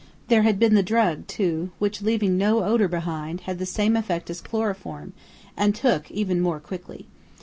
There had been the drug, too, which leaving no odour behind, had the same effect as chloroform, and "took" even more quickly.